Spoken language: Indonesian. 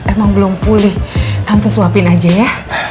emang belum pulih tante suapin aja ya